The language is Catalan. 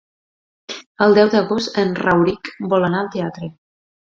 El deu d'agost en Rauric vol anar al teatre.